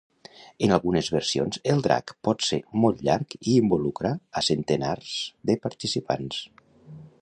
En algunes versions el drac pot ser molt llarg i involucrar a centenars de participants.